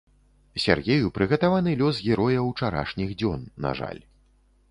Сяргею прыгатаваны лёс героя ўчарашніх дзён, на жаль.